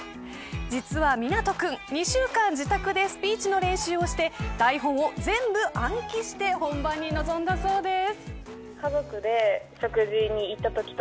実は、みなと君２週間自宅でスピーチの練習をして台本を全部暗記して本番に臨んだそうです。